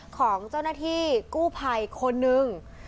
ของเจ้าหน้าที่กู้ภัยคนนึง